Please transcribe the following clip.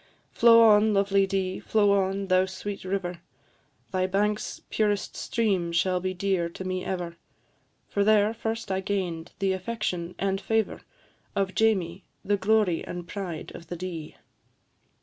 Flow on, lovely Dee, flow on, thou sweet river, Thy banks' purest stream shall be dear to me ever, For there first I gain'd the affection and favour Of Jamie, the glory and pride of the Dee.